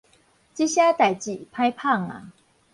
這聲代誌歹紡矣